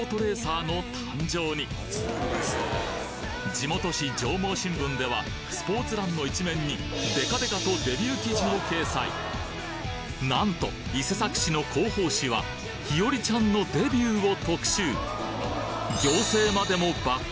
地元紙上毛新聞ではスポーツ欄の１面にデカデカとデビュー記事を掲載なんと伊勢崎市の広報誌は日和ちゃんのデビューを特集